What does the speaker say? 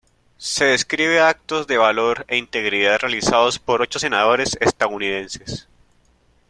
Se describe actos de valor e integridad realizados por ocho senadores estadounidenses.